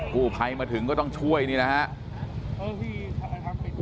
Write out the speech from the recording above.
กู้ไพรมาถึงก็ต้องช่วยนี่นะฮะ